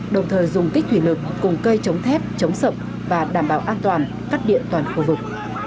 đồng thời dùng kích thủy lực cùng cây chống thép chống sậm và đảm bảo an toàn cắt điện toàn khu vực